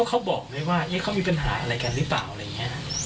เขาบอกไหมว่าเขามีปัญหาอะไรกันหรือเปล่าอะไรอย่างนี้